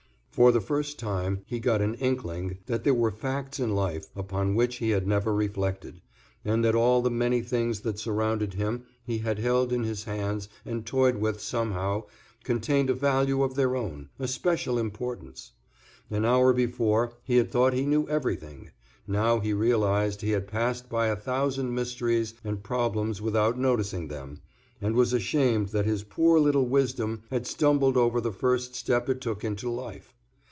For the first time he got an inkling that there were facts in life upon which he had never reflected, and that all the many things that surrounded him and he had held in his hands and toyed with somehow contained a value of their own, a special importance. An hour before he had thought he knew everything. Now he realized he had passed by a thousand mysteries and problems without noticing them, and was ashamed that his poor little wisdom had stumbled over the first step it took into life.